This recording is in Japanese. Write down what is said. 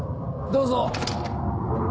どうぞ。